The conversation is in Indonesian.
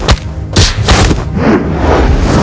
tidak ada kesempatan